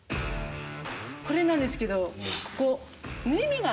これなんですけどここ。